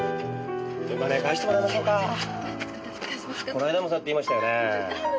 この間もそうやって言いましたよね？